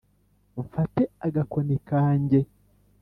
mfate agakoni kange